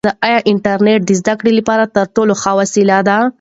آیا انټرنیټ د زده کړې لپاره تر ټولو ښه وسیله ده؟